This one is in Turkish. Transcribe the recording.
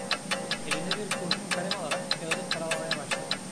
Eline bir kurşunkalem alarak kâğıdı karalamaya başladı.